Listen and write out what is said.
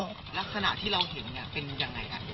แล้วลักษณะที่เราเห็นเนี่ยเป็นยังไงกัน